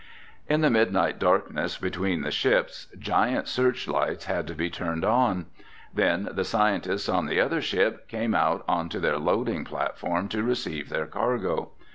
In the midnight darkness between the ships, giant searchlights had to be turned on. Then the scientists on the other ship came out onto their loading platform to receive their cargo.